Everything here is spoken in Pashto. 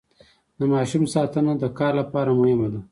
د ماشوم ساتنه د کار لپاره مهمه ده.